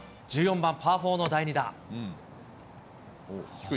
１４番パー４の第２打。